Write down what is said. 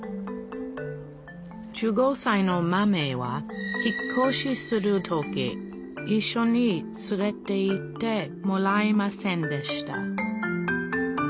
１５さいのマメは引っ越しする時いっしょに連れていってもらえませんでした